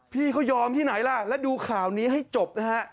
พี่เขายอมที่ไหนล่ะแล้วดูข่าวนี้ให้จบนะฮะ